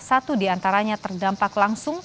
satu di antaranya terdampak langsung